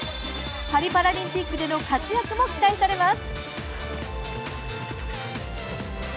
パリパラリンピックでの活躍も期待されます！